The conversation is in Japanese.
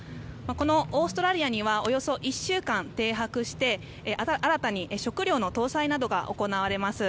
このオーストラリアにはおよそ１週間停泊して新たに食料の搭載などが行われます。